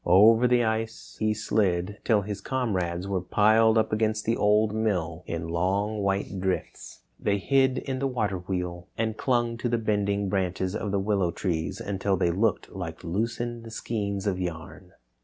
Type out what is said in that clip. Over the ice he slid till his comrades were piled up against the Old Mill in long white drifts. They hid in the water wheel and clung to the bending branches of the willow trees until they looked like loosened skeins of yarn.